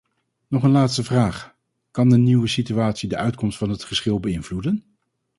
Nog een laatste vraag: kan de nieuwe situatie de uitkomst van het geschil beïnvloeden?